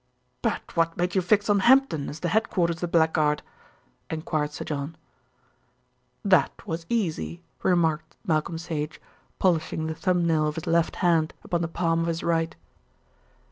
"But what made you fix on Hempdon as the headquarters of the blackguard?" enquired Sir John. "That was easy," remarked Malcolm Sage, polishing the thumb nail of his left hand upon the palm of his right.